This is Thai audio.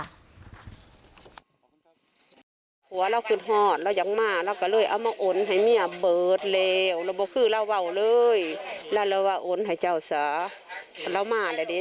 สิ่งที่ในเวทให้การกับตำรวจมันไม่จริงเลยนี่ค่ะทางฝั่งครอบครัวของผู้เสียชีวิตเขาบอกแบบนี้